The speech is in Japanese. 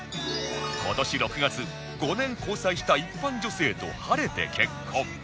今年６月５年交際した一般女性と晴れて結婚